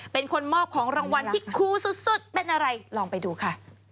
เป็นคนมอบของรางวัลที่คูสุดเป็นอะไรลองไปดูค่ะ